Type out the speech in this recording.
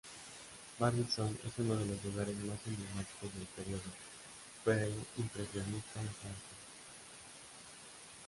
Barbizon es uno de los lugares más emblemáticos del período pre-impresionista en Francia.